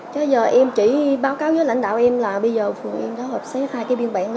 chứ giờ em chỉ báo cáo với lãnh đạo em là bây giờ phường em đã hợp xé hai cái biên bản